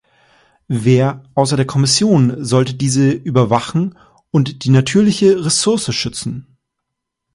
Wer, außer der Kommission, sollte diese überwachen und die natürliche Ressource schützen?